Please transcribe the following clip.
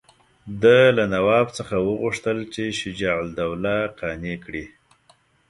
ده له نواب څخه وغوښتل چې شجاع الدوله قانع کړي.